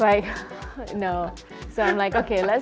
jika saya pergi ke sana dan berpikir